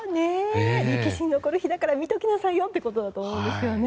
歴史に残る日だから見ておきなさいよということだと思いますが。